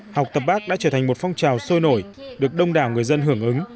học tập bác đã trở thành một phong trào sôi nổi được đông đảo người dân hưởng ứng